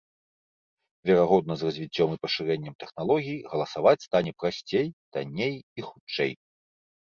Верагодна, з развіццём і пашырэннем тэхналогій галасаваць стане прасцей, танней і хутчэй.